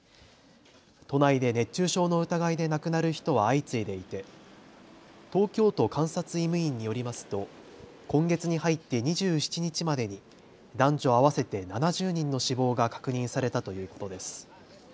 都内で熱中症の疑いで亡くなる人は相次いでいて東京都監察医務院によりますと今月に入って２７日までに男女合わせて７０人の死亡が確認されたということです。